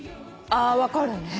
あ分かるね。